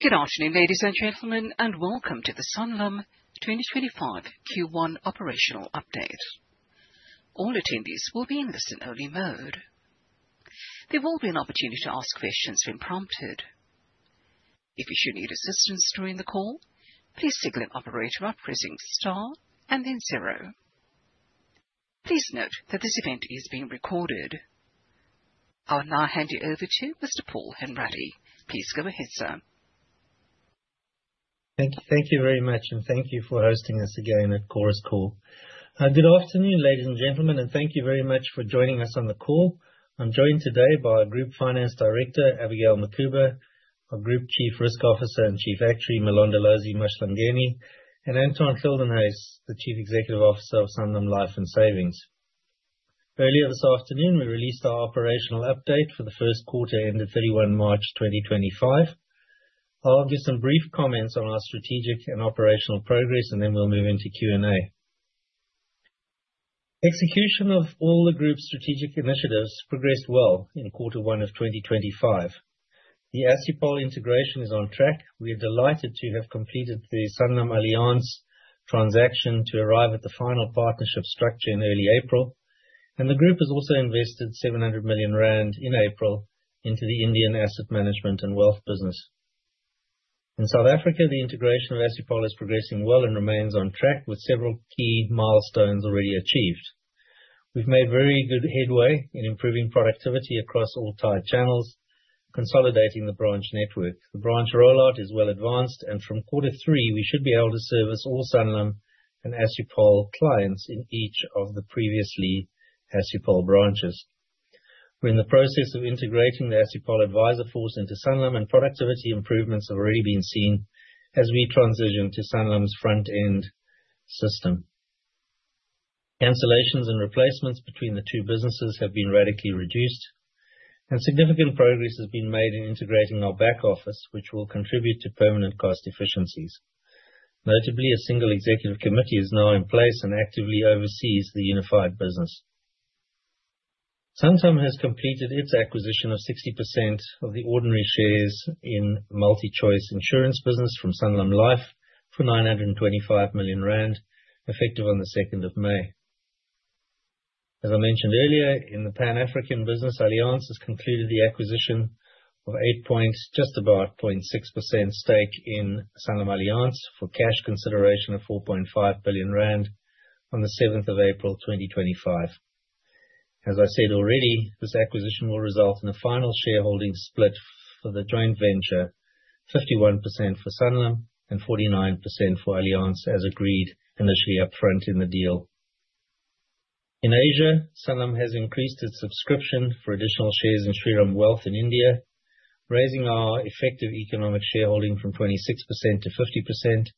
Good afternoon, ladies and gentlemen, and welcome to the Sanlam 2025 Q1 Operational Update. All attendees will be in listen-only mode. There will be an opportunity to ask questions when prompted. If you should need assistance during the call, please signal an operator by pressing star and then zero. Please note that this event is being recorded. I will now hand you over to Mr. Paul Hanratty. Please go ahead, sir. Thank you very much, and thank you for hosting us again at Chorus Call. Good afternoon, ladies and gentlemen, and thank you very much for joining us on the call. I'm joined today by Group Finance Director Abigail Mukhuba, our Group Chief Risk Officer and Chief Actuary Mlondolozi Mahlangeni, and Anton Gildenhuys, the Chief Executive Officer of Sanlam Life and Savings. Earlier this afternoon, we released our operational update for the first quarter ended 31 March 2025. I'll give some brief comments on our strategic and operational progress, and then we'll move into Q&A. Execution of all the Group's strategic initiatives progressed well in quarter one of 2025. The Assupol integration is on track. We are delighted to have completed the SanlamAllianz transaction to arrive at the final partnership structure in early April, and the Group has also invested 700 million rand in April into the Indian Asset Management and Wealth business. In South Africa, the integration of Assupol is progressing well and remains on track with several key milestones already achieved. We've made very good headway in improving productivity across all tied channels, consolidating the branch network. The branch rollout is well advanced, and from quarter three, we should be able to service all Sanlam and Assupol clients in each of the previously Assupol branches. We're in the process of integrating the Assupol advisor force into Sanlam, and productivity improvements have already been seen as we transition to Sanlam's front-end system. Cancellations and replacements between the two businesses have been radically reduced, and significant progress has been made in integrating our back office, which will contribute to permanent cost efficiencies. Notably, a single executive committee is now in place and actively oversees the unified business. Sanlam has completed its acquisition of 60% of the ordinary shares in MultiChoice insurance business from Sanlam Life for 925 million rand, effective on the 2nd of May. As I mentioned earlier, in the Pan African Business Allianz, has concluded the acquisition of 8.6% stake in SanlamAllianz for cash consideration of 4.5 billion rand on the 7th of April 2025. As I said already, this acquisition will result in a final shareholding split for the joint venture, 51% for Sanlam and 49% for Allianz, as agreed initially upfront in the deal. In Asia, Sanlam has increased its subscription for additional shares in Shriram Wealth in India, raising our effective economic shareholding from 26% to 50%.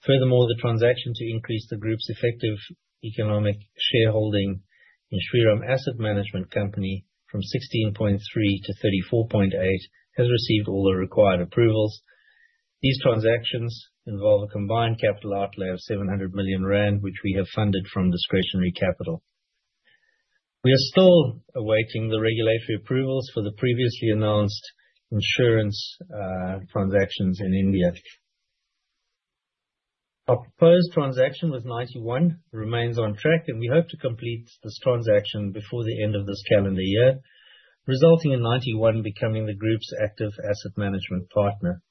Furthermore, the transaction to increase the Group's effective economic shareholding in Shriram Asset Management Company from 16.3% to 34.8% has received all the required approvals. These transactions involve a combined capital outlay of 700 million rand, which we have funded from discretionary capital. We are still awaiting the regulatory approvals for the previously announced insurance transactions in India. Our proposed transaction was Ninety One, remains on track, and we hope to complete this transaction before the end of this calendar year, resulting in Ninety One becoming the group's active asset management partner.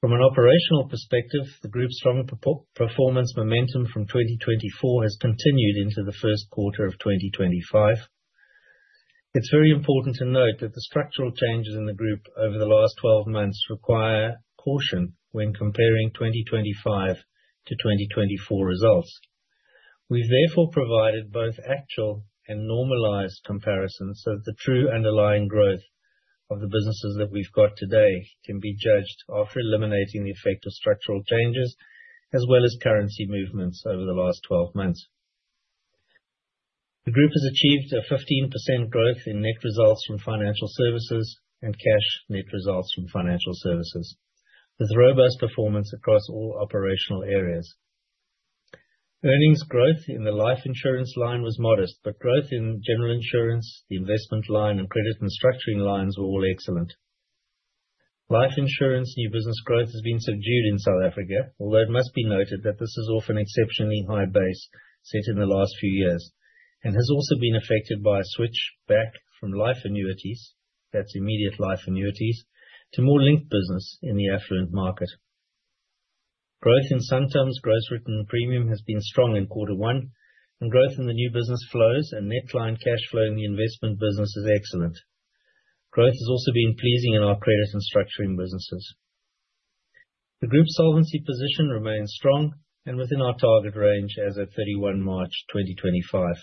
From an operational perspective, the Group's strong performance momentum from 2024 has continued into the first quarter of 2025. It's very important to note that the structural changes in the Group over the last 12 months require caution when comparing 2025 to 2024 results. We've therefore provided both actual and normalized comparisons so that the true underlying growth of the businesses that we've got today can be judged after eliminating the effect of structural changes as well as currency movements over the last 12 months. The Group has achieved a 15% growth in net results from financial services and cash net results from financial services, with robust performance across all operational areas. Earnings growth in the life insurance line was modest, but growth in general insurance, the investment line, and credit and structuring lines were all excellent. Life insurance new business growth has been subdued in South Africa, although it must be noted that this is off an exceptionally high base set in the last few years and has also been affected by a switch back from life annuities, that's immediate life annuities, to more linked business in the affluent market. Growth in Sanlam's gross written premium has been strong in Q1, and growth in the new business flows and net client cash flow in the investment business is excellent. Growth has also been pleasing in our credit and structuring businesses. The Group's solvency position remains strong and within our target range as of 31 March 2025.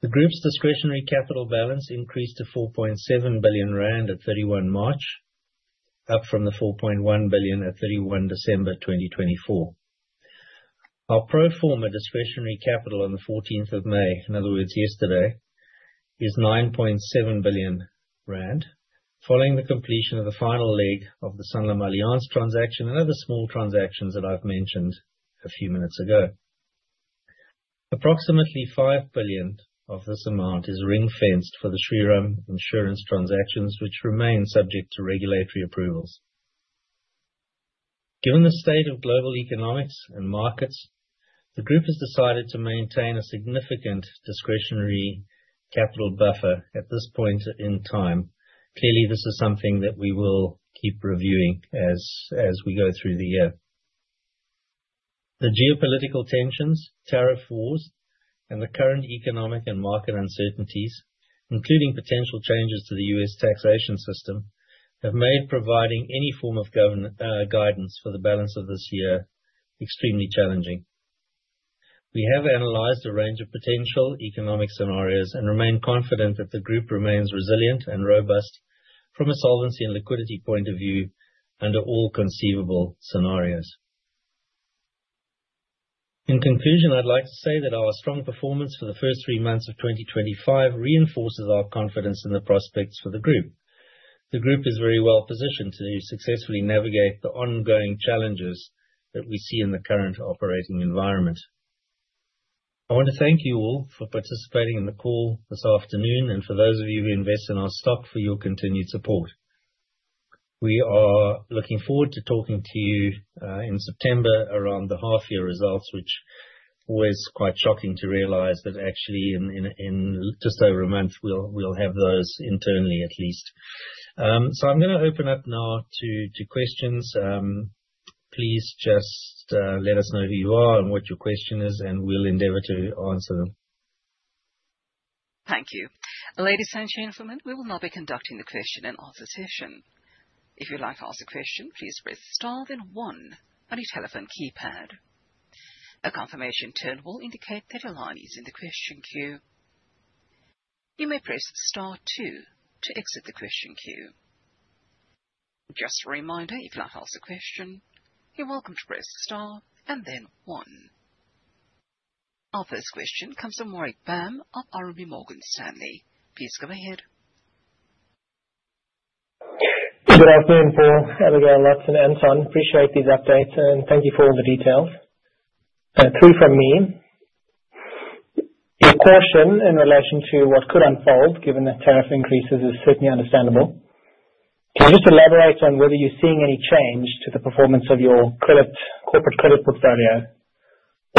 The Group's discretionary capital balance increased to 4.7 billion rand at 31 March, up from the 4.1 billion at 31 December 2024. Our pro forma discretionary capital on the 14th of May, in other words, yesterday, is 9.7 billion rand, following the completion of the final leg of the SanlamAllianz transaction and other small transactions that I've mentioned a few minutes ago. Approximately 5 billion of this amount is ring-fenced for the Shriram Insurance transactions, which remain subject to regulatory approvals. Given the state of global economics and markets, the group has decided to maintain a significant discretionary capital buffer at this point in time. Clearly, this is something that we will keep reviewing as we go through the year. The geopolitical tensions, tariff wars, and the current economic and market uncertainties, including potential changes to the U.S. taxation system, have made providing any form of guidance for the balance of this year extremely challenging. We have analyzed a range of potential economic scenarios and remain confident that the group remains resilient and robust from a solvency and liquidity point of view under all conceivable scenarios. In conclusion, I'd like to say that our strong performance for the first three months of 2025 reinforces our confidence in the prospects for the group. The group is very well positioned to successfully navigate the ongoing challenges that we see in the current operating environment. I want to thank you all for participating in the call this afternoon and for those of you who invest in our stock for your continued support. We are looking forward to talking to you in September around the half-year results, which was quite shocking to realize that actually in just over a month we'll have those internally at least. I am going to open up now to questions. Please just let us know who you are and what your question is, and we'll endeavor to answer them. Thank you. Ladies and gentlemen, we will now be conducting the question and answer session. If you'd like to ask a question, please press Star then one on your telephone keypad. A confirmation tone will indicate that your line is in the question queue. You may press Star two to exit the question queue. Just a reminder, if you'd like to ask a question, you're welcome to press Star and then one. Our first question comes from Warwick Bam of Morgan Stanley. Please go ahead. Good afternoon, Paul, Abigail Mukhuba, and Anton. Appreciate these updates, and thank you for all the details. Three from me. Your caution in relation to what could unfold given the tariff increases is certainly understandable. Can you just elaborate on whether you're seeing any change to the performance of your corporate credit portfolio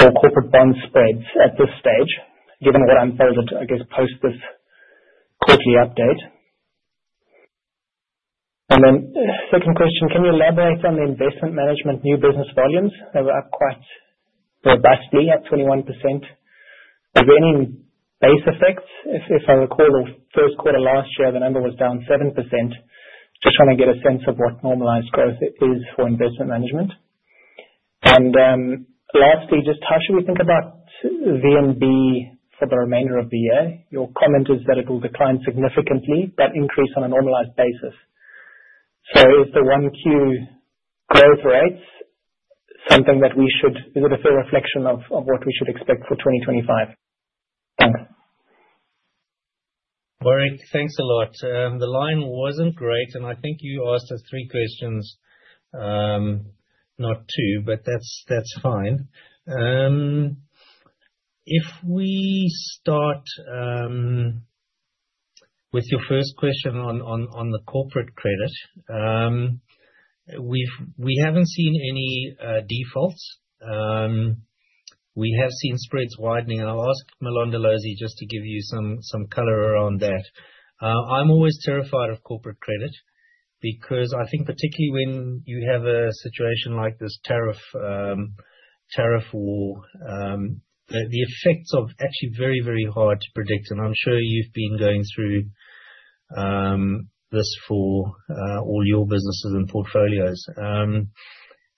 or corporate bond spreads at this stage, given what unfolded, I guess, post this quarterly update? The second question, can you elaborate on the investment management new business volumes? They were up quite robustly at 21%. Are there any base effects? If I recall, the first quarter last year, the number was down 7%. Just trying to get a sense of what normalized growth is for investment management. Lastly, just how should we think about VNB for the remainder of the year? Your comment is that it will decline significantly, but increase on a normalized basis. Is the 1Q growth rates something that we should—is it a fair reflection of what we should expect for 2025? Thanks. Warwick, thanks a lot. The line was not great, and I think you asked us three questions, not two, but that is fine. If we start with your first question on the corporate credit, we have not seen any defaults. We have seen spreads widening, and I will ask Mlondolozi just to give you some color around that. I am always terrified of corporate credit because I think particularly when you have a situation like this tariff war, the effects are actually very, very hard to predict. I am sure you have been going through this for all your businesses and portfolios.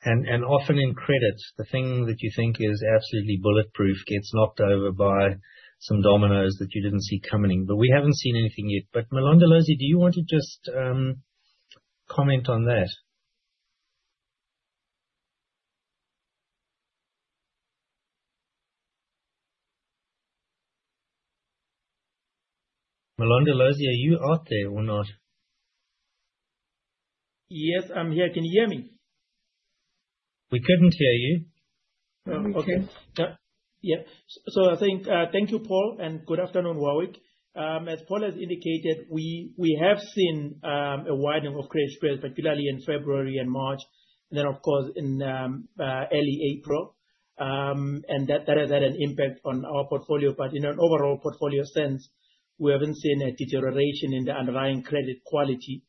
Often in credit, the thing that you think is absolutely bulletproof gets knocked over by some dominoes that you did not see coming. We have not seen anything yet. Mlondolozi, do you want to just comment on that? Mlondolozi, are you out there or not? Yes, I'm here. Can you hear me? We couldn't hear you. Oh, okay. Yeah. So I think thank you, Paul, and good afternoon, Warwick. As Paul has indicated, we have seen a widening of credit spreads, particularly in February and March, and then, of course, in early April. That has had an impact on our portfolio. In an overall portfolio sense, we have not seen a deterioration in the underlying credit quality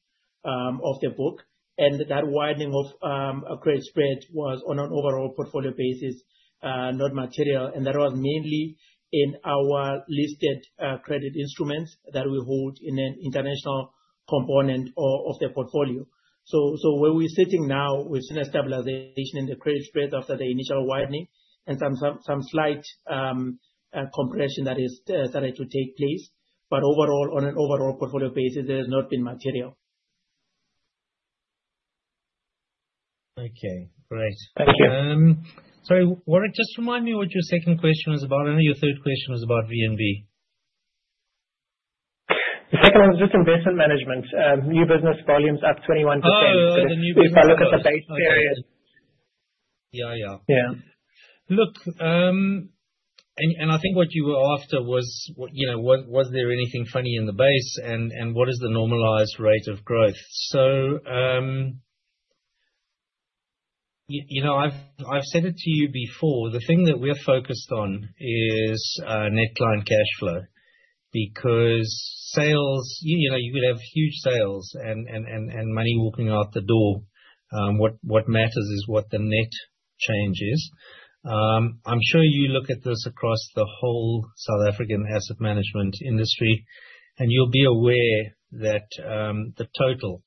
of the book. That widening of a credit spread was, on an overall portfolio basis, not material. That was mainly in our listed credit instruments that we hold in an international component of the portfolio. Where we are sitting now, we have seen a stabilization in the credit spread after the initial widening and some slight compression that has started to take place. Overall, on an overall portfolio basis, there has not been material. Okay. Great. Thank you. Sorry, Warwick, just remind me what your second question was about. I know your third question was about VNB. The second one was just investment management. New business volumes up 21%. Oh, the new business volumes. If I look at the base period. Yeah, yeah. Yeah. Look, and I think what you were after was, was there anything funny in the base and what is the normalized rate of growth? I've said it to you before. The thing that we're focused on is net line cash flow because sales, you could have huge sales and money walking out the door. What matters is what the net change is. I'm sure you look at this across the whole South African asset management industry, and you'll be aware that the total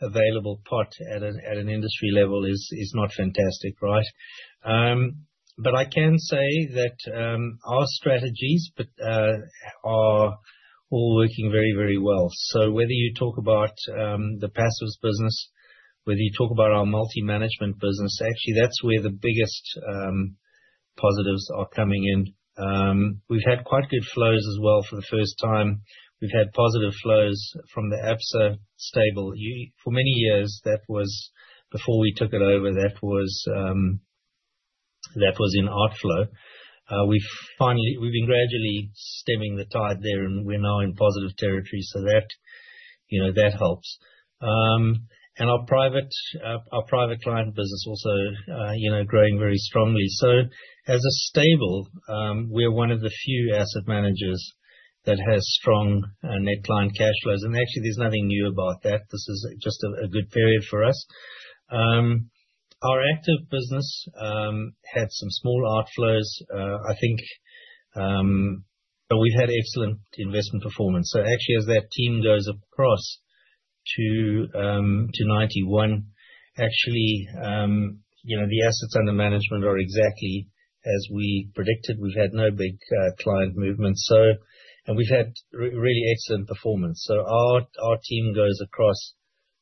available pot at an industry level is not fantastic, right? I can say that our strategies are all working very, very well. Whether you talk about the passives business, whether you talk about our multi-management business, actually, that's where the biggest positives are coming in. We've had quite good flows as well for the first time. We've had positive flows from the Absa stable. For many years, that was before we took it over, that was in outflow. We've been gradually stemming the tide there, and we're now in positive territory. That helps. Our private client business also growing very strongly. As a stable, we're one of the few asset managers that has strong net line cash flows. Actually, there's nothing new about that. This is just a good period for us. Our active business had some small outflows. I think we've had excellent investment performance. As that team goes across to 91, the assets under management are exactly as we predicted. We've had no big client movements. We've had really excellent performance. Our team goes across.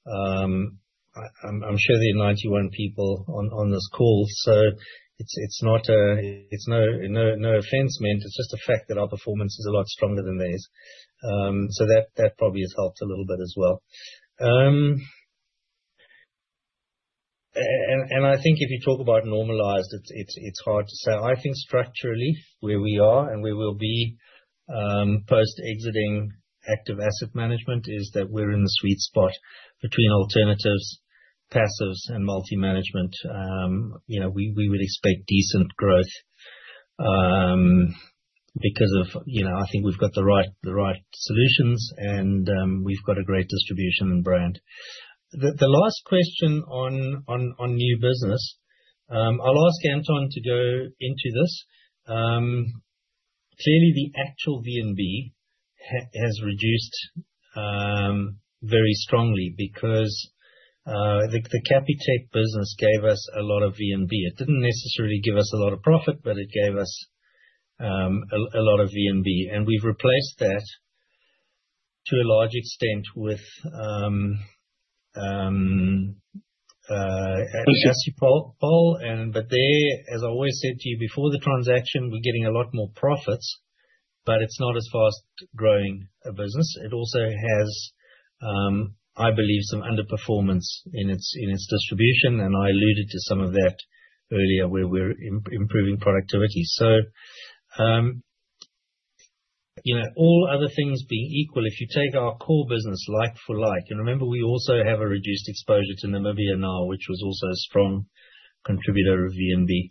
I'm sure there are 91 people on this call. It's not a no offense meant. It's just a fact that our performance is a lot stronger than theirs. That probably has helped a little bit as well. I think if you talk about normalized, it's hard to say. I think structurally, where we are and where we'll be post-exiting active asset management is that we're in the sweet spot between alternatives, passives, and multi-management. We would expect decent growth because I think we've got the right solutions, and we've got a great distribution and brand. The last question on new business, I'll ask Anton to go into this. Clearly, the actual VNB has reduced very strongly because the Capitec business gave us a lot of VNB. It did not necessarily give us a lot of profit, but it gave us a lot of VNB. We've replaced that to a large extent with. Polish. There, as I always said to you before the transaction, we're getting a lot more profits, but it's not as fast growing a business. It also has, I believe, some underperformance in its distribution. I alluded to some of that earlier where we're improving productivity. All other things being equal, if you take our core business like-for-like, and remember we also have a reduced exposure to Namibia now, which was also a strong contributor of VNB.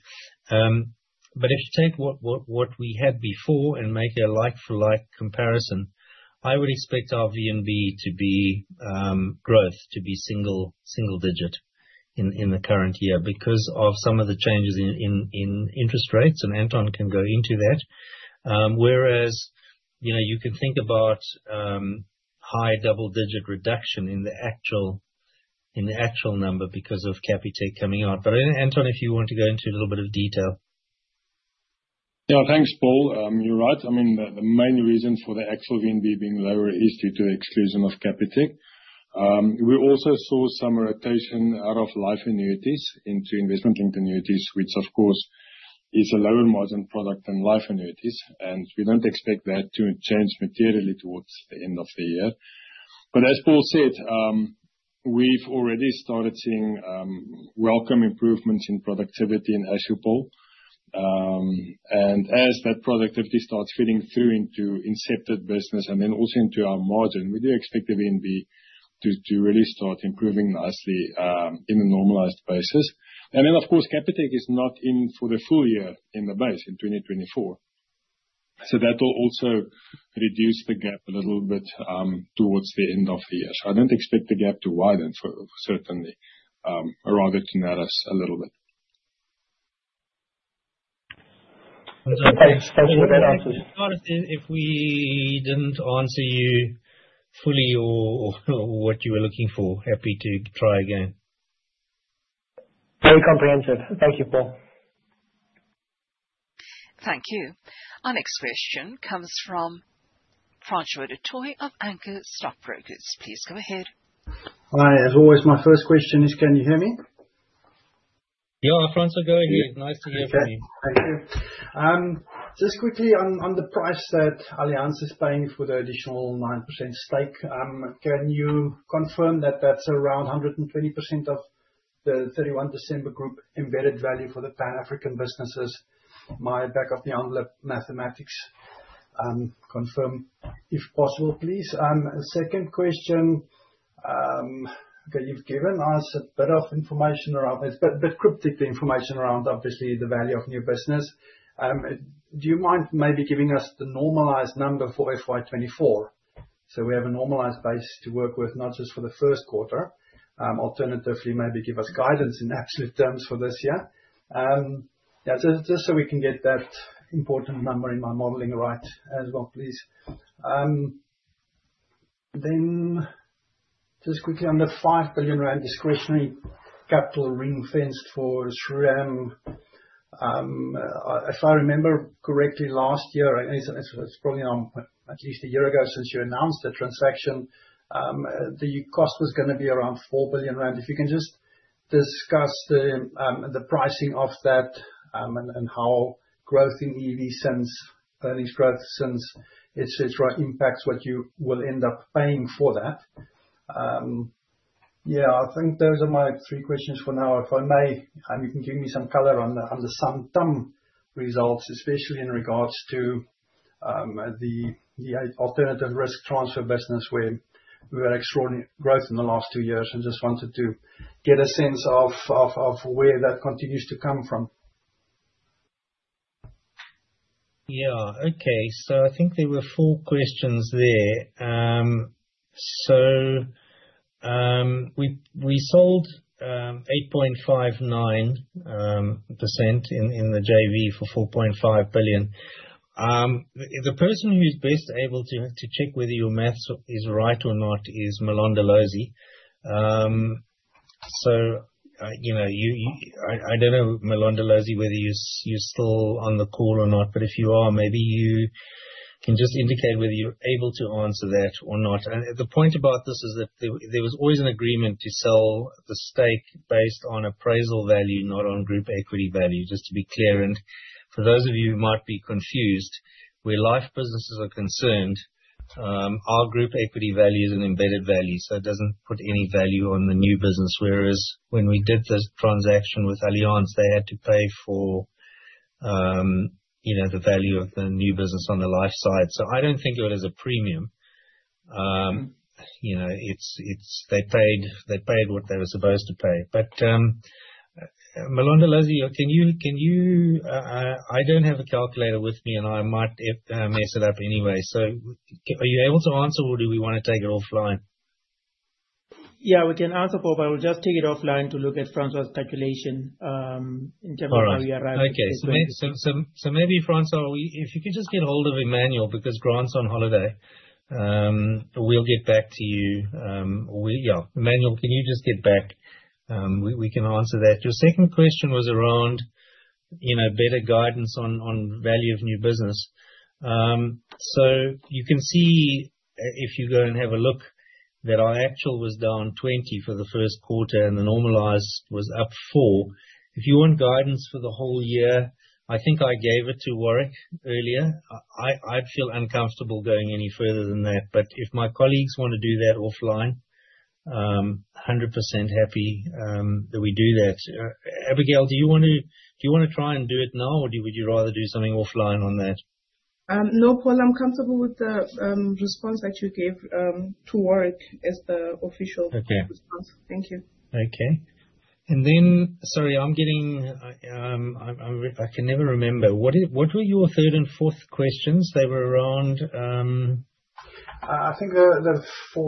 If you take what we had before and make a like-for-like comparison, I would expect our VNB growth to be single-digit in the current year because of some of the changes in interest rates. Anton can go into that. You can think about high double-digit reduction in the actual number because of Capitec coming out. If you want to go into a little bit of detail, Anton. Yeah, thanks, Paul. You're right. I mean, the main reason for the actual VNB being lower is due to the exclusion of Capitec. We also saw some rotation out of life annuities into investment-linked annuities, which, of course, is a lower-margin product than life annuities. We do not expect that to change materially towards the end of the year. As Paul said, we've already started seeing welcome improvements in productivity in Assupol. As that productivity starts feeding through into incepted business and then also into our margin, we do expect the VNB to really start improving nicely on a normalized basis. Capitec is not in for the full year in the base in 2024. That will also reduce the gap a little bit towards the end of the year. I don't expect the gap to widen, certainly, rather to narrow us a little bit. Thanks for that answer. If we did not answer you fully or what you were looking for, happy to try again. Very comprehensive. Thank you, Paul. Thank you. Our next question comes from Francois du Toit of Anchor Stockbrokers. Please go ahead. Hi. As always, my first question is, can you hear me? Yeah, Francois, go ahead. Nice to hear from you. Thank you. Just quickly on the price that Allianz is paying for the additional 9% stake, can you confirm that that's around 120% of the 31 December group embedded value for the Pan-African businesses? My back of the envelope mathematics. Confirm if possible, please. Second question that you've given us a bit of information around, a bit cryptic information around, obviously, the value of new business. Do you mind maybe giving us the normalized number for FY2024 so we have a normalized base to work with, not just for the first quarter? Alternatively, maybe give us guidance in absolute terms for this year. Yeah, just so we can get that important number in my modeling right as well, please. Then just quickly on the 5 billion rand discretionary capital ring-fenced for SRAM. If I remember correctly, last year, it's probably at least a year ago since you announced the transaction, the cost was going to be around 4 billion rand. If you can just discuss the pricing of that and how growth in EV earnings growth since it impacts what you will end up paying for that. Yeah, I think those are my three questions for now. If I may, you can give me some color on the sum sum results, especially in regards to the alternative risk transfer business where we've had extraordinary growth in the last two years. I just wanted to get a sense of where that continues to come from. Yeah. Okay. I think there were four questions there. We sold 8.59% in the JV for 4.5 billion. The person who's best able to check whether your maths is right or not is Mlondolozi. I do not know, Mlondolozi, whether you're still on the call or not, but if you are, maybe you can just indicate whether you're able to answer that or not. The point about this is that there was always an agreement to sell the stake based on appraisal value, not on group equity value, just to be clear. For those of you who might be confused, where life businesses are concerned, our group equity value is an embedded value, so it does not put any value on the new business. Whereas when we did the transaction with Allianz, they had to pay for the value of the new business on the life side. I do not think of it as a premium. They paid what they were supposed to pay. But Mlondolozi, can you—I do not have a calculator with me, and I might mess it up anyway. Are you able to answer, or do we want to take it offline? Yeah, we can answer, Paul, but we'll just take it offline to look at Francois's speculation in terms of how we arrived at this point. All right. Okay. Maybe, Francois, if you could just get hold of Emmanuel because Grant's on holiday, we'll get back to you. Emmanuel, can you just get back? We can answer that. Your second question was around better guidance on value of new business. You can see if you go and have a look that our actual was down 20% for the first quarter, and the normalized was up 4%. If you want guidance for the whole year, I think I gave it to Warwick earlier. I'd feel uncomfortable going any further than that. If my colleagues want to do that offline, 100% happy that we do that. Abigail, do you want to try and do it now, or would you rather do something offline on that? No, Paul. I'm comfortable with the response that you gave to Warwick as the official response. Thank you. Okay. Sorry, I can never remember. What were your third and fourth questions? They were around. I think the 5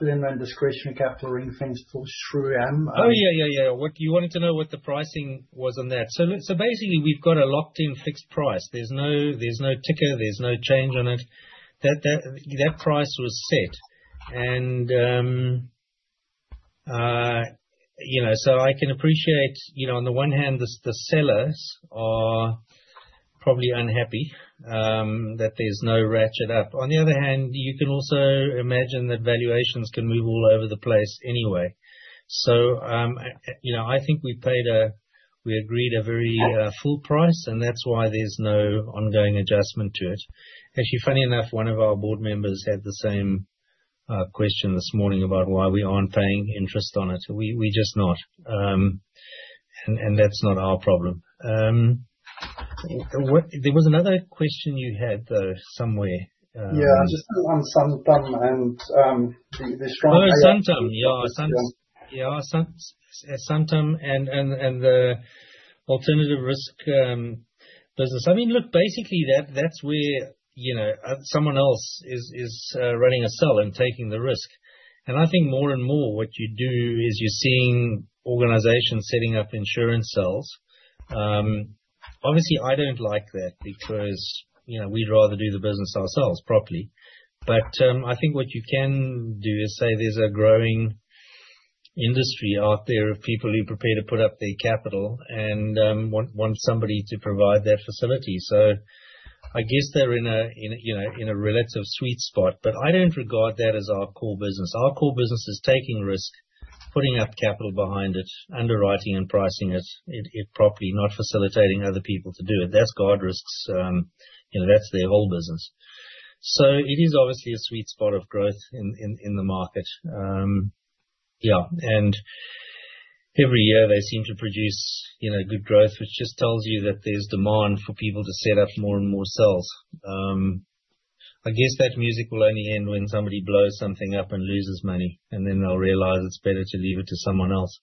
billion discretionary capital ring-fenced for SRAM. Oh, yeah, yeah, yeah. You wanted to know what the pricing was on that. Basically, we've got a locked-in fixed price. There's no ticker. There's no change on it. That price was set. I can appreciate, on the one hand, the sellers are probably unhappy that there's no ratchet up. On the other hand, you can also imagine that valuations can move all over the place anyway. I think we agreed a very full price, and that's why there's no ongoing adjustment to it. Actually, funny enough, one of our board members had the same question this morning about why we aren't paying interest on it. We're just not. That's not our problem. There was another question you had, though, somewhere. Yeah, just on sum sum and the strong. Oh, sum sum. Yeah, sum sum. And the alternative risk business. I mean, look, basically, that's where someone else is running a cell and taking the risk. I think more and more what you do is you're seeing organizations setting up insurance cells. Obviously, I don't like that because we'd rather do the business ourselves properly. I think what you can do is say there's a growing industry out there of people who are prepared to put up their capital and want somebody to provide that facility. I guess they're in a relative sweet spot. I don't regard that as our core business. Our core business is taking risk, putting up capital behind it, underwriting and pricing it properly, not facilitating other people to do it. That's Guardrisk. That's their whole business. It is obviously a sweet spot of growth in the market. Yeah. Every year, they seem to produce good growth, which just tells you that there is demand for people to set up more and more cells. I guess that music will only end when somebody blows something up and loses money, and then they will realize it is better to leave it to someone else.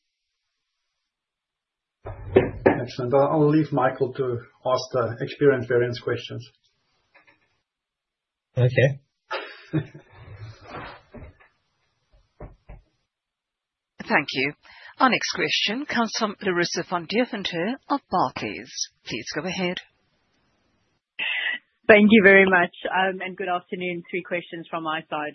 Excellent. I'll leave Michael to ask the experience variance questions. Okay. Thank you. Our next question comes from Larissa van Deventer of Barclays. Please go ahead. Thank you very much. Good afternoon. Three questions from my side.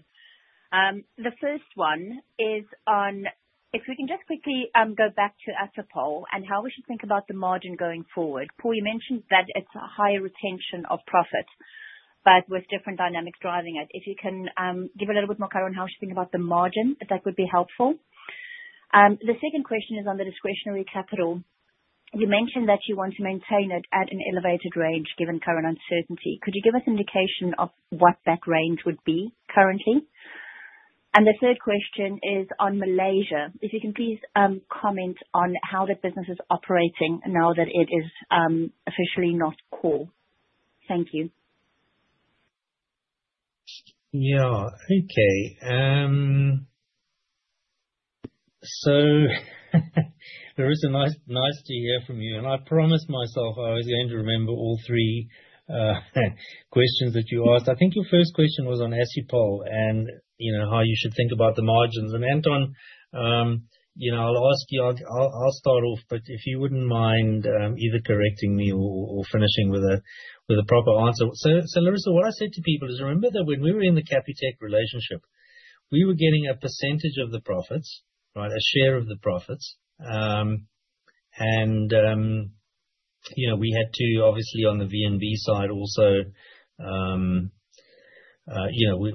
The first one is on if we can just quickly go back to Assupol and how we should think about the margin going forward. Paul, you mentioned that it's a higher retention of profit, but with different dynamics driving it. If you can give a little bit more color on how she thinks about the margin, that would be helpful. The second question is on the discretionary capital. You mentioned that you want to maintain it at an elevated range given current uncertainty. Could you give us an indication of what that range would be currently? The third question is on Malaysia. If you can please comment on how the business is operating now that it is officially not core. Thank you. Yeah. Okay. Larissa, nice to hear from you. I promised myself I was going to remember all three questions that you asked. I think your first question was on Assupol and how you should think about the margins. Anton, I'll ask you—I will start off, but if you would not mind either correcting me or finishing with a proper answer. Larissa, what I said to people is, remember that when we were in the Capitec relationship, we were getting a percentage of the profits, right, a share of the profits. We had to, obviously, on the VNB side also,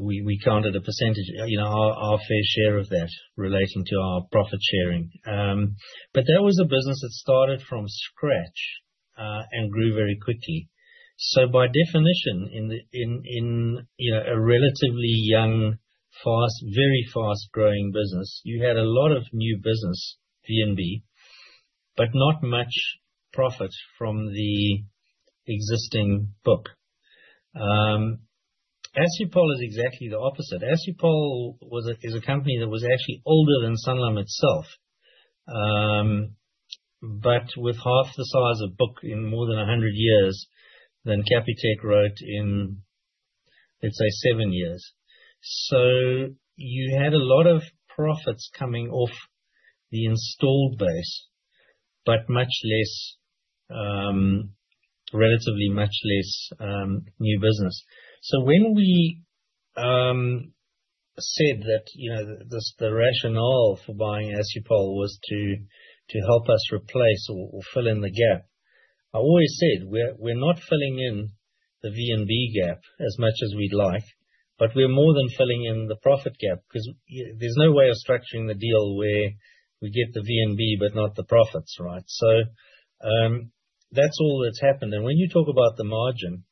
we counted a percentage, our fair share of that relating to our profit sharing. That was a business that started from scratch and grew very quickly. By definition, in a relatively young, very fast-growing business, you had a lot of new business, VNB, but not much profit from the existing book. Assupol is exactly the opposite. Assupol is a company that was actually older than Sanlam itself, but with half the size of book in more than 100 years than Capitec wrote in, let's say, seven years. You had a lot of profits coming off the installed base, but relatively much less new business. When we said that the rationale for buying Assupol was to help us replace or fill in the gap, I always said, "We're not filling in the VNB gap as much as we'd like, but we're more than filling in the profit gap because there's no way of structuring the deal where we get the VNB but not the profits, right?" That's all that's happened. When you talk about the margin,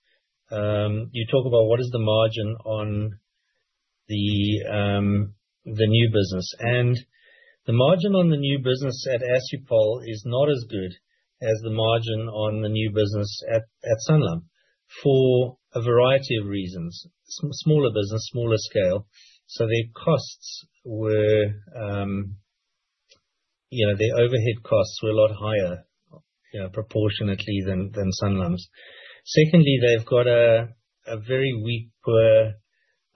you talk about what is the margin on the new business. The margin on the new business at Assupol is not as good as the margin on the new business at Sanlam for a variety of reasons. Smaller business, smaller scale. Their costs were, their overhead costs were a lot higher proportionately than Sanlam's. Secondly, they've got a very weak, poor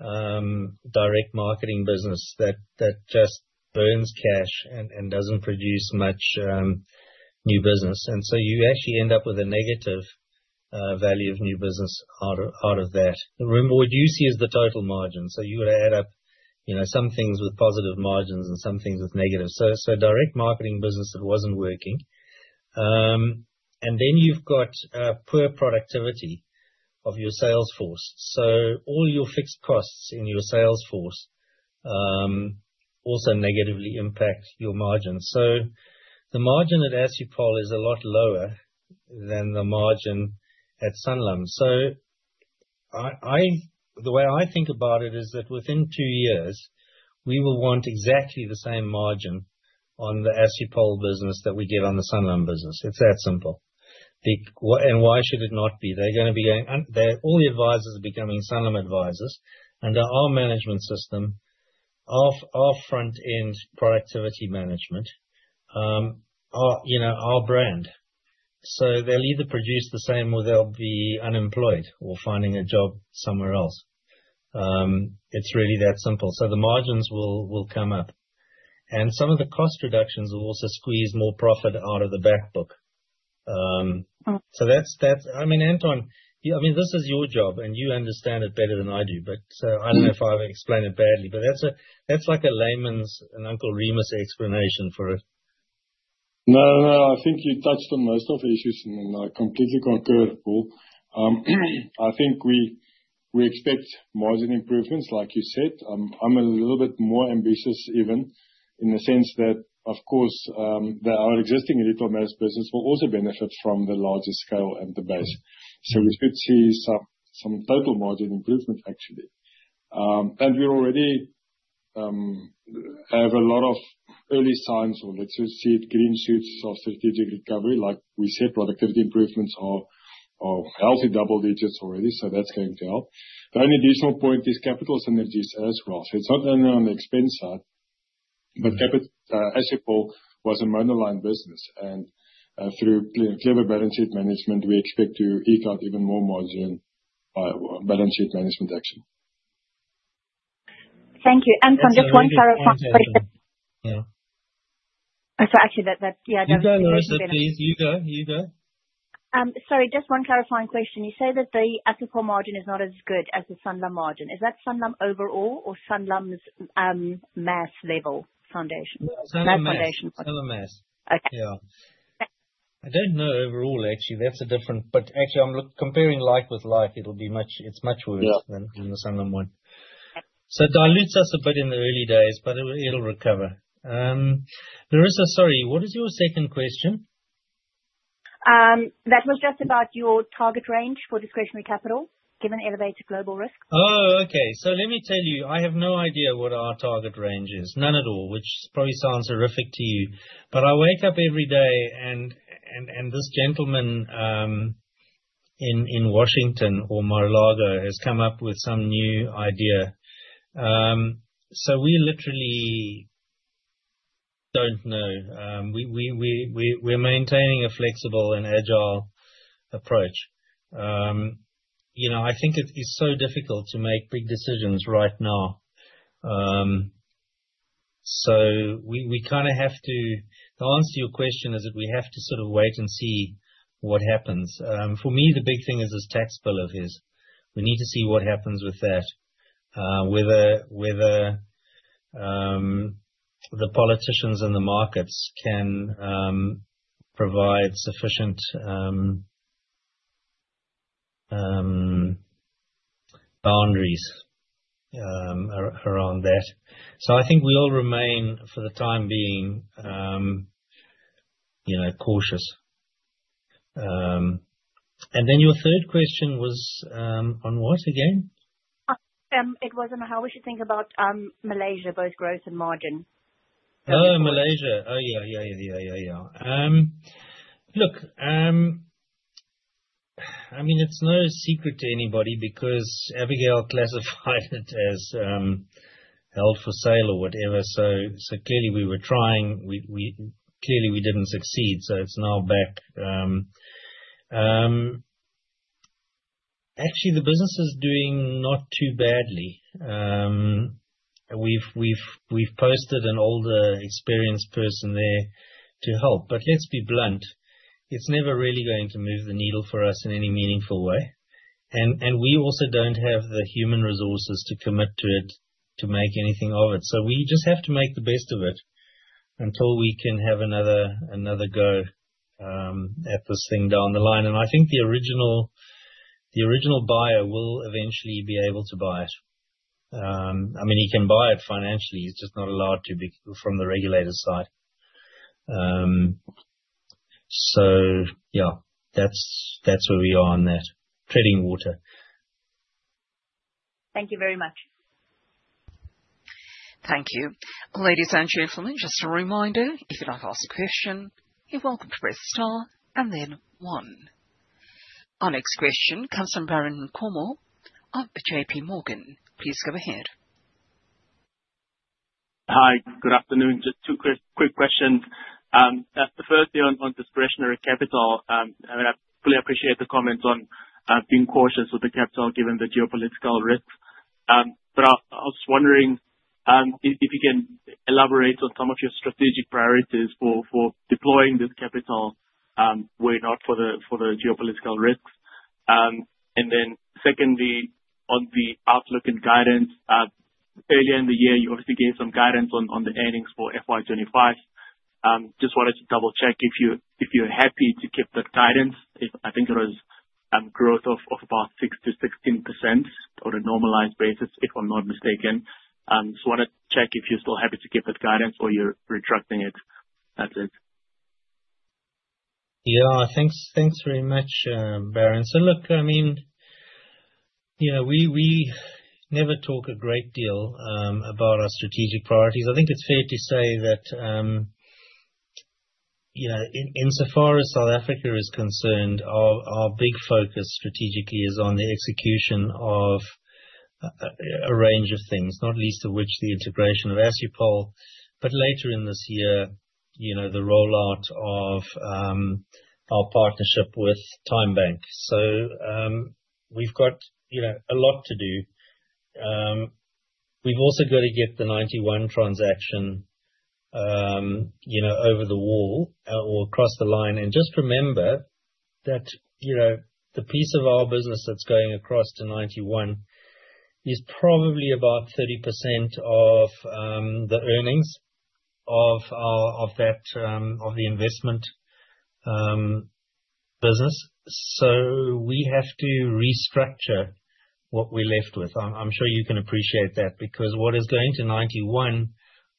direct marketing business that just burns cash and does not produce much new business. You actually end up with a negative value of new business out of that. What you see is the total margin. You would add up some things with positive margins and some things with negative. Direct marketing business that was not working. Then you have poor productivity of your sales force. All your fixed costs in your sales force also negatively impact your margin. The margin at Assupol is a lot lower than the margin at Sanlam. The way I think about it is that within two years, we will want exactly the same margin on the Assupol business that we get on the Sanlam business. It's that simple. Why should it not be? They're going to be going—all the advisors are becoming Sanlam advisors. Our management system, our front-end productivity management, our brand. They'll either produce the same or they'll be unemployed or finding a job somewhere else. It's really that simple. The margins will come up. Some of the cost reductions will also squeeze more profit out of the backbook. That's—I mean, Anton, this is your job, and you understand it better than I do. I don't know if I've explained it badly, but that's like a layman's, an Uncle Remus explanation for it. No, no, no. I think you touched on most of the issues, and I completely concur, Paul. I think we expect margin improvements, like you said. I'm a little bit more ambitious, even, in the sense that, of course, our existing retail management business will also benefit from the larger scale and the base. We should see some total margin improvement, actually. We already have a lot of early signs or, let's just say, green shoots of strategic recovery. Like we said, productivity improvements are healthy double digits already, so that's going to help. The only additional point is capital synergies as well. It is not only on the expense side, but Assupol was a monoline business. Through clever balance sheet management, we expect to eke out even more margin by balance sheet management action. Thank you. Anton, just one clarifying question. Yeah. Sorry, actually, that—yeah, that was— You go, Larissa. Please, you go. You go. Sorry, just one clarifying question. You say that the Assupol margin is not as good as the Sanlam margin. Is that Sanlam overall or Sanlam's mass level foundation? Sanlam mass. Sanlam mass. Yeah. I don't know overall, actually. That's a different—actually, I'm comparing like with like. It'll be much—it's much worse than the Sanlam one. It dilutes us a bit in the early days, but it'll recover. Larissa, sorry, what is your second question? That was just about your target range for discretionary capital given elevated global risks. Oh, okay. So let me tell you, I have no idea what our target range is. None at all, which probably sounds horrific to you. But I wake up every day, and this gentleman in Washington or Mar-a-Lago has come up with some new idea. So we literally do not know. We are maintaining a flexible and agile approach. I think it is so difficult to make big decisions right now. We kind of have to—the answer to your question is that we have to sort of wait and see what happens. For me, the big thing is this tax bill of his. We need to see what happens with that, whether the politicians and the markets can provide sufficient boundaries around that. I think we will remain, for the time being, cautious. Then your third question was on what again? It was on how we should think about Malaysia, both growth and margin. Oh, Malaysia. Oh, yeah, yeah, yeah, yeah. Look, I mean, it's no secret to anybody because Abigail classified it as held for sale or whatever. Clearly, we were trying. Clearly, we didn't succeed. It's now back. Actually, the business is doing not too badly. We've posted an older experienced person there to help. Let's be blunt. It's never really going to move the needle for us in any meaningful way. We also don't have the human resources to commit to it, to make anything of it. We just have to make the best of it until we can have another go at this thing down the line. I think the original buyer will eventually be able to buy it. I mean, he can buy it financially. He's just not allowed to from the regulator's side. Yeah, that's where we are on that, treading water. Thank you very much. Thank you. Ladies and gentlemen, just a reminder, if you'd like to ask a question, you're welcome to press star and then one. Our next question comes from Baron Nkomo of J.P. Morgan. Please go ahead. Hi. Good afternoon. Just two quick questions. The first is on discretionary capital. I mean, I fully appreciate the comments on being cautious with the capital given the geopolitical risks. I was wondering if you can elaborate on some of your strategic priorities for deploying this capital were it not for the geopolitical risks. Secondly, on the outlook and guidance, earlier in the year, you obviously gave some guidance on the earnings for FY2025. Just wanted to double-check if you're happy to keep that guidance. I think it was growth of about 6%-16% on a normalized basis, if I'm not mistaken. Just want to check if you're still happy to keep that guidance or you're retracting it. That's it. Yeah. Thanks very much, Baron. Look, I mean, we never talk a great deal about our strategic priorities. I think it's fair to say that insofar as South Africa is concerned, our big focus strategically is on the execution of a range of things, not least of which the integration of Assupol, but later in this year, the rollout of our partnership with TymeBank. We've got a lot to do. We've also got to get the Ninety One transaction over the wall or across the line. Just remember that the piece of our business that's going across to Ninety One is probably about 30% of the earnings of the investment business. We have to restructure what we're left with. I'm sure you can appreciate that because what is going to Ninety One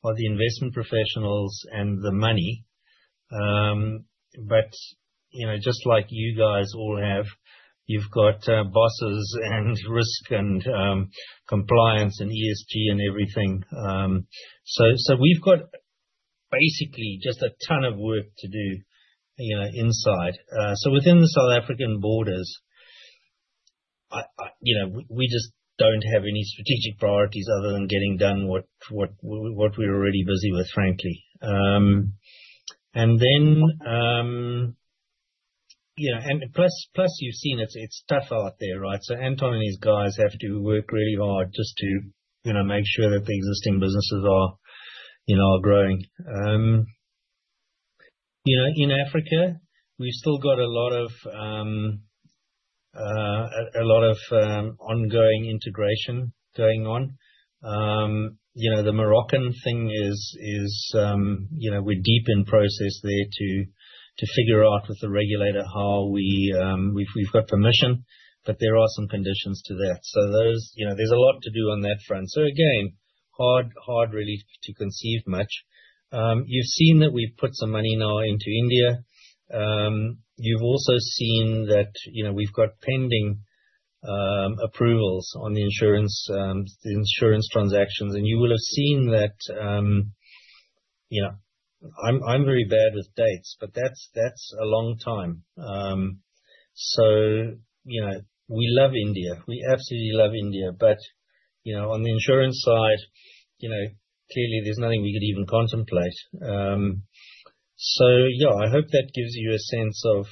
are the investment professionals and the money. Just like you guys all have, you've got bosses and risk and compliance and ESG and everything. We've got basically just a ton of work to do inside. Within the South African borders, we just do not have any strategic priorities other than getting done what we're already busy with, frankly. Plus, you've seen it's tough out there, right? Anton and his guys have to work really hard just to make sure that the existing businesses are growing. In Africa, we've still got a lot of ongoing integration going on. The Moroccan thing is we're deep in process there to figure out with the regulator how we've got permission, but there are some conditions to that. There's a lot to do on that front. Again, hard really to conceive much. You've seen that we've put some money now into India. You've also seen that we've got pending approvals on the insurance transactions. You will have seen that I'm very bad with dates, but that's a long time. We love India. We absolutely love India. On the insurance side, clearly, there's nothing we could even contemplate. Yeah, I hope that gives you a sense of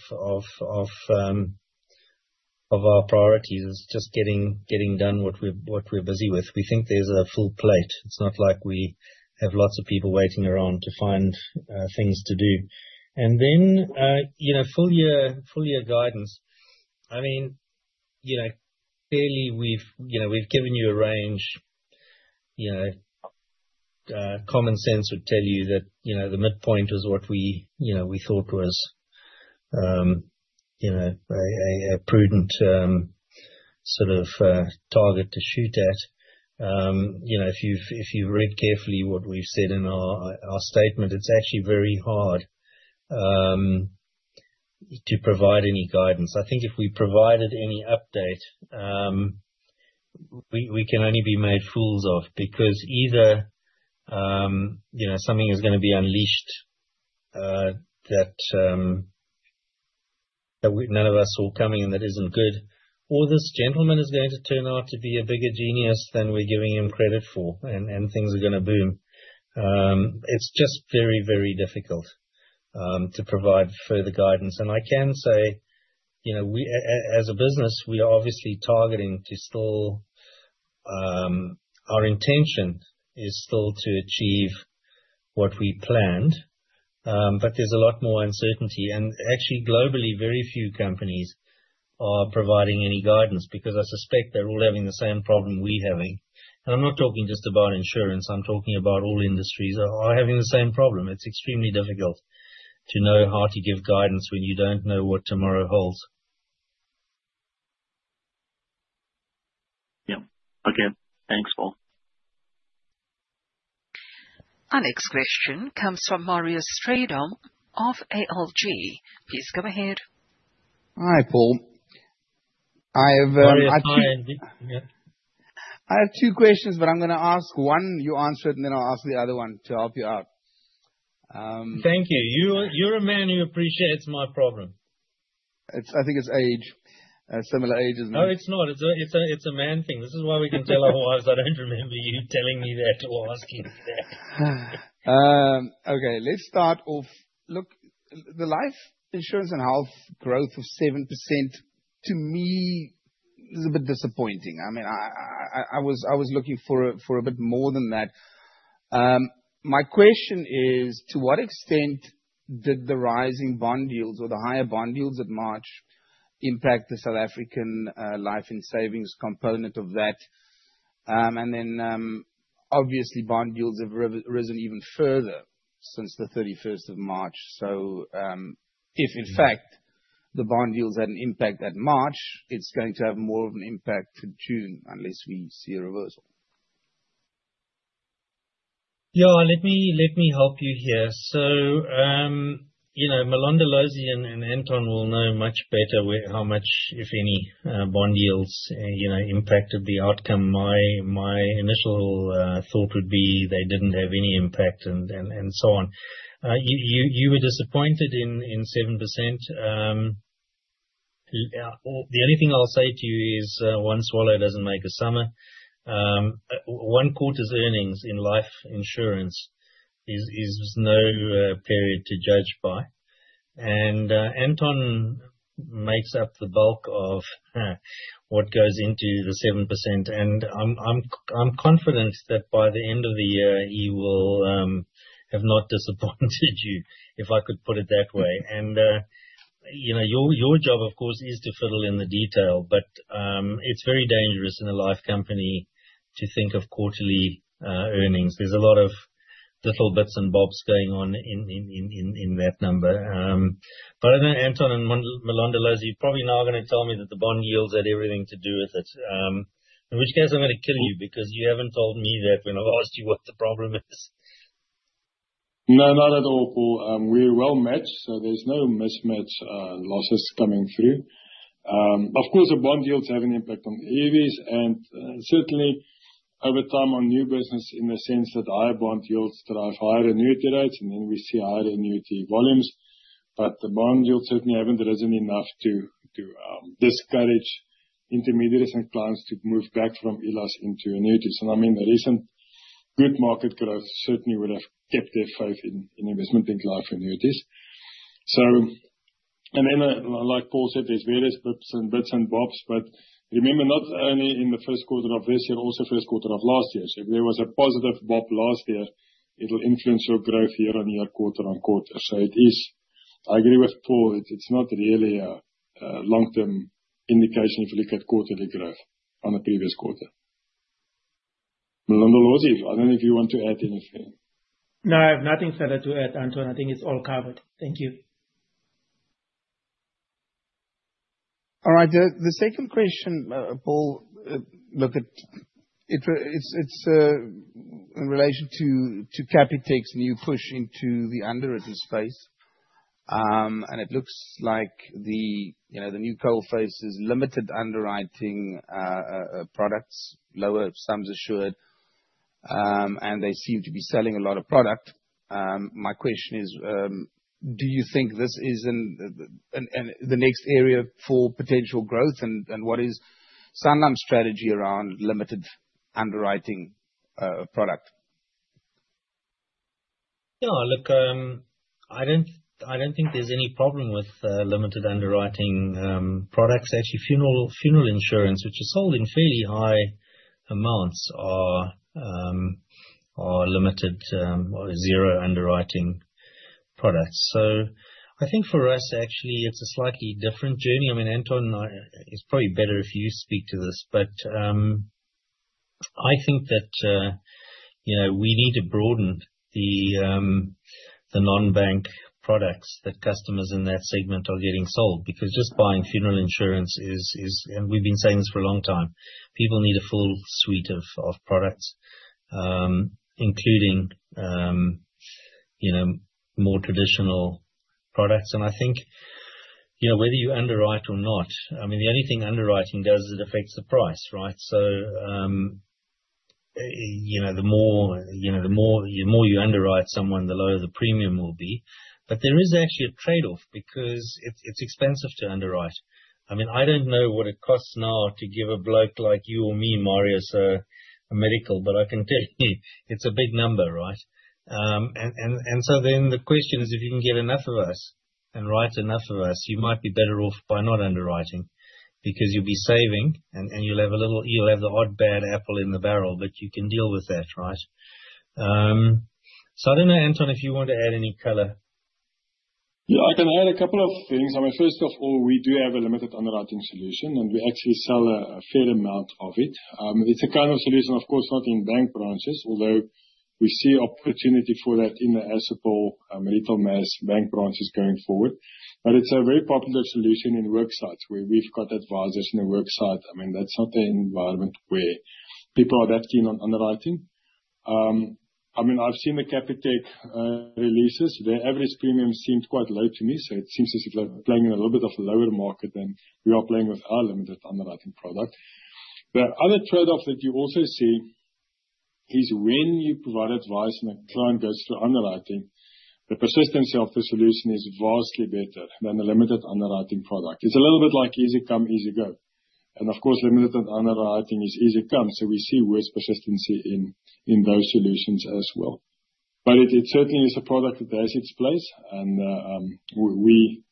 our priorities. It's just getting done what we're busy with. We think there's a full plate. It's not like we have lots of people waiting around to find things to do. Full year guidance, I mean, clearly, we've given you a range. Common sense would tell you that the midpoint was what we thought was a prudent sort of target to shoot at. If you've read carefully what we've said in our statement, it's actually very hard to provide any guidance. I think if we provided any update, we can only be made fools of because either something is going to be unleashed that none of us saw coming and that is not good, or this gentleman is going to turn out to be a bigger genius than we are giving him credit for, and things are going to boom. It is just very, very difficult to provide further guidance. I can say, as a business, we are obviously targeting to still, our intention is still to achieve what we planned, but there is a lot more uncertainty. Actually, globally, very few companies are providing any guidance because I suspect they are all having the same problem we are having. I am not talking just about insurance. I am talking about all industries are having the same problem. It is extremely difficult to know how to give guidance when you do not know what tomorrow holds. Yeah. Okay. Thanks, Paul. Our next question comes from Marius Strydom of ALG. Please go ahead. Hi, Paul. I have two. I'm sorry. Yeah. I have two questions, but I'm going to ask one, you answer it, and then I'll ask the other one to help you out. Thank you. You're a man who appreciates my problem. I think it's age. Similar ages, no? No, it's not. It's a man thing. This is why we can tell our wives, I don't remember you telling me that or asking me that. Okay. Let's start off. Look, the life insurance and health growth of 7%, to me, is a bit disappointing. I mean, I was looking for a bit more than that. My question is, to what extent did the rising bond yields or the higher bond yields at March impact the South African life and savings component of that? Then, obviously, bond yields have risen even further since the 31st of March. If, in fact, the bond yields had an impact at March, it's going to have more of an impact in June unless we see a reversal. Yeah. Let me help you here. So Mlondolozi and Anton will know much better how much, if any, bond yields impacted the outcome. My initial thought would be they did not have any impact and so on. You were disappointed in 7%. The only thing I will say to you is one swallow does not make a summer. One quarter's earnings in life insurance is no period to judge by. Anton makes up the bulk of what goes into the 7%. I am confident that by the end of the year, he will have not disappointed you, if I could put it that way. Your job, of course, is to fiddle in the detail, but it is very dangerous in a life company to think of quarterly earnings. There is a lot of little bits and bobs going on in that number. I think Anton and Mlondolozi, you're probably now going to tell me that the bond yields had everything to do with it, in which case I'm going to kill you because you haven't told me that when I've asked you what the problem is. No, not at all, Paul. We're well-matched, so there's no mismatch losses coming through. Of course, the bond yields have an impact on EVs and certainly over time on new business in the sense that higher bond yields drive higher annuity rates, and then we see higher annuity volumes. The bond yields certainly haven't risen enough to discourage intermediaries and clients to move back from [ELOS]into annuities. I mean, the recent good market growth certainly would have kept their faith in investment bank life annuities. Then, like Paul said, there's various bits and bobs, but remember, not only in the first quarter of this year, also first quarter of last year. If there was a positive bob last year, it'll influence your growth year on year, quarter on quarter. It is, I agree with Paul, it's not really a long-term indication if you look at quarterly growth on the previous quarter. Mlondolozi, I don't know if you want to add anything. No, I have nothing further to add, Anton. I think it's all covered. Thank you. All right. The second question, Paul, look, it's in relation to Capitec's new push into the underwriting space. It looks like the new coalface is limited underwriting products, lower sums assured, and they seem to be selling a lot of product. My question is, do you think this is the next area for potential growth, and what is Sanlam's strategy around limited underwriting products? Yeah. Look, I do not think there is any problem with limited underwriting products. Actually, funeral insurance, which is sold in fairly high amounts, are limited or zero underwriting products. I think for us, actually, it is a slightly different journey. I mean, Anton, it is probably better if you speak to this, but I think that we need to broaden the non-bank products that customers in that segment are getting sold because just buying funeral insurance is, and we have been saying this for a long time, people need a full suite of products, including more traditional products. I think whether you underwrite or not, I mean, the only thing underwriting does is it affects the price, right? The more you underwrite someone, the lower the premium will be. There is actually a trade-off because it is expensive to underwrite. I mean, I don't know what it costs now to give a bloke like you or me, Marius, a medical, but I can tell you it's a big number, right? Then the question is, if you can get enough of us and write enough of us, you might be better off by not underwriting because you'll be saving and you'll have a little, you'll have the odd bad apple in the barrel, but you can deal with that, right? I don't know, Anton, if you want to add any color. Yeah. I can add a couple of things. I mean, first of all, we do have a limited underwriting solution, and we actually sell a fair amount of it. It's a kind of solution, of course, not in bank branches, although we see opportunity for that in the Assupol, Retail Mass bank branches going forward. But it's a very popular solution in worksites where we've got advisors in a worksite. I mean, that's not an environment where people are that keen on underwriting. I mean, I've seen the Capitec releases. Their average premium seemed quite low to me, so it seems as if they're playing in a little bit of a lower market than we are playing with our limited underwriting product. The other trade-off that you also see is when you provide advice and a client goes through underwriting, the persistency of the solution is vastly better than the limited underwriting product. It is a little bit like easy come, easy go. Of course, limited underwriting is easy come, so we see worse persistency in those solutions as well. It certainly is a product that has its place, and we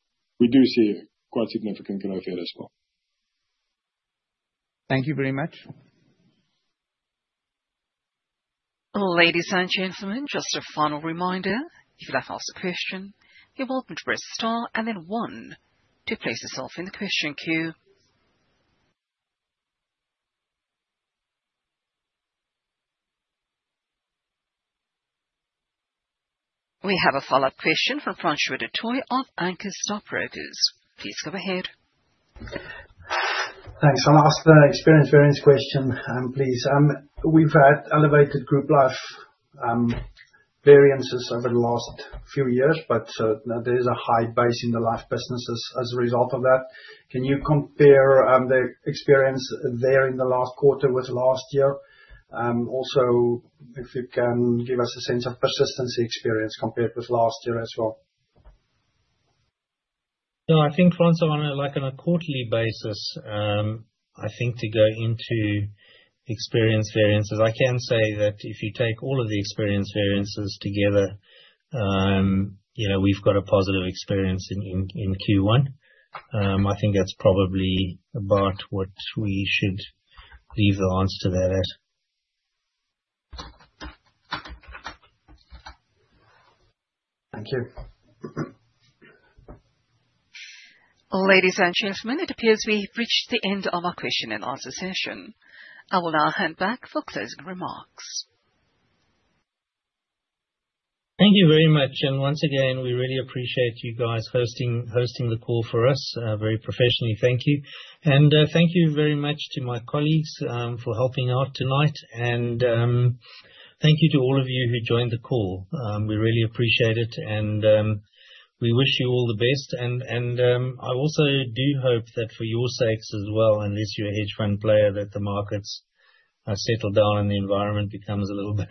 do see quite significant growth here as well. Thank you very much. Ladies and gentlemen, just a final reminder. If you'd like to ask a question, you're welcome to press star and then one to place yourself in the question queue. We have a follow-up question from Francois du Toit of Anchor Stockbrokers. Please go ahead. Thanks. I'll ask the experience variance question, please. We've had elevated group life variances over the last few years, but there's a high base in the life businesses as a result of that. Can you compare the experience there in the last quarter with last year? Also, if you can give us a sense of persistency experience compared with last year as well. Yeah. I think once on a quarterly basis, I think to go into experience variances, I can say that if you take all of the experience variances together, we've got a positive experience in Q1. I think that's probably about what we should leave the answer to that at. Thank you. Ladies and gentlemen, it appears we have reached the end of our question and answer session. I will now hand back for closing remarks. Thank you very much. Once again, we really appreciate you guys hosting the call for us very professionally. Thank you. Thank you very much to my colleagues for helping out tonight. Thank you to all of you who joined the call. We really appreciate it, and we wish you all the best. I also do hope that for your sakes as well, unless you're a hedge fund player, that the markets settle down and the environment becomes a little bit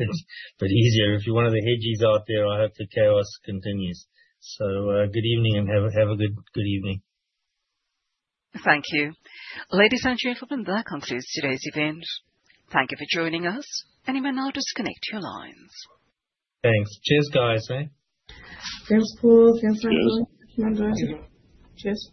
easier. If you're one of the hedgies out there, I hope the chaos continues. Good evening and have a good evening. Thank you. Ladies and gentlemen, that concludes today's event. Thank you for joining us, and you may now disconnect your lines. Thanks. Cheers, guys. Thanks, Paul. Thanks, Anton. Cheers.